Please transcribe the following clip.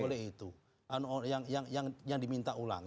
oleh itu yang diminta ulang